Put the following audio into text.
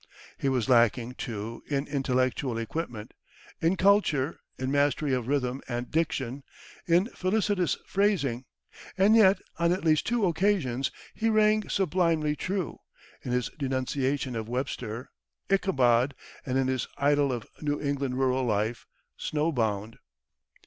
He was lacking, too, in intellectual equipment in culture, in mastery of rhythm and diction, in felicitous phrasing. And yet, on at least two occasions, he rang sublimely true in his denunciation of Webster, "Ichabod," and in his idyll of New England rural life, "Snow Bound."